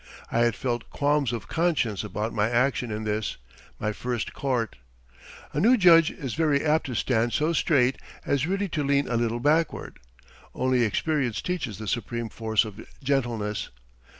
I had felt qualms of conscience about my action in this, my first court. A new judge is very apt to stand so straight as really to lean a little backward. Only experience teaches the supreme force of gentleness.